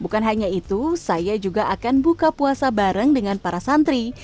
bukan hanya itu saya juga akan buka puasa bareng dengan para santri